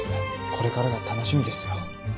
これからが楽しみですよ。